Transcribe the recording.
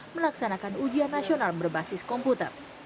melaksanakan ujian nasional berbasis komputer